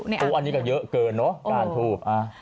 อันนี้ก็เยอะเกินเนอะก้านทูบ